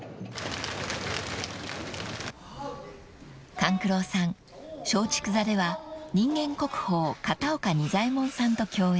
［勘九郎さん松竹座では人間国宝片岡仁左衛門さんと共演］